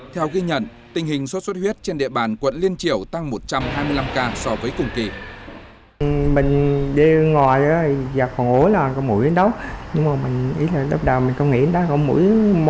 theo ghi nhận tình hình xuất xuất huyết trên địa bàn quận liên triều tăng một trăm hai mươi năm ca so với cùng kỳ